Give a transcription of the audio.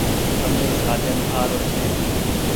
اٻي سآجن آ رو ڇي۔